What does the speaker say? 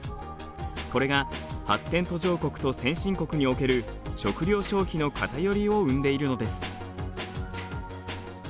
これが発展途上国と先進国における食料消費の偏りを生んでいるのです。